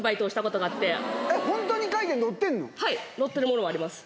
はい載ってるものもあります。